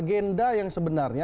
agenda yang sebenarnya